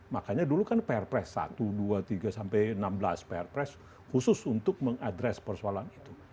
makanya dulu kan pr press satu dua tiga sampai enam belas pr press khusus untuk mengadres persoalan itu